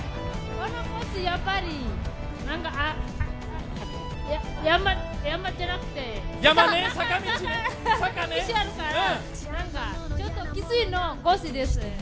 やっぱり、山じゃなくて坂道あるからちょっときついコースです。